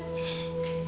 aduh jadi sendirian